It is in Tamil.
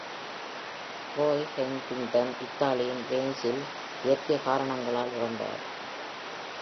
ராய் ஹஃபிங்டன் இத்தாலியின் வெனிஸில் இயற்கை காரணங்களால் இறந்தார்.